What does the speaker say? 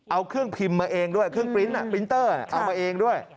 เอาเครื่องพิมพ์มาเองด้วยเครื่องปริ้นต์ปรินเตอร์เอามาเองด้วย